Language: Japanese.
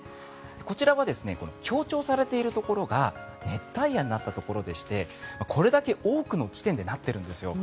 こちらは強調されているところが熱帯夜になったところでしてこれだけ多くの地点でなってるんですよ。